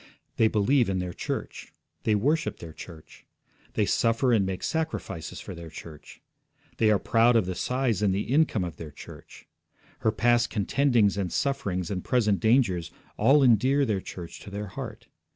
They believe in their church. They worship their church. They suffer and make sacrifices for their church. They are proud of the size and the income of their church; her past contendings and sufferings, and present dangers, all endear their church to their heart.